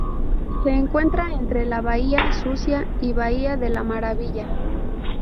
Se encuentra entre la Bahía Sucia y bahía de la Maravilla.